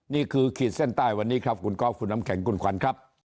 ขีดเส้นใต้วันนี้ครับคุณก๊อฟคุณน้ำแข็งคุณขวัญครับ